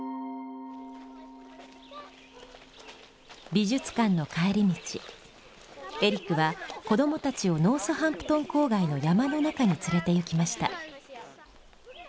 美術館の帰り道エリックは子どもたちをノースハンプトン郊外の山の中に連れてゆきました。